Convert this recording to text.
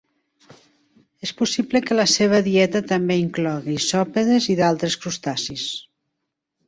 És possible que la seua dieta també inclogui isòpodes i d'altres crustacis.